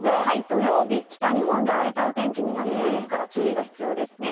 土曜日、北日本で荒れたお天気になりそうですから、注意が必要ですね。